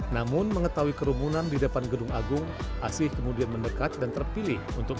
namun mengetahui kerumunan di depan gedung agung asih kemudian mendekat dan terpilih untuk